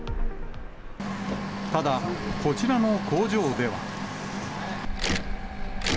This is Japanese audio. ただ、こちらの工場では。